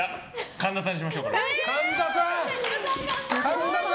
神田さん！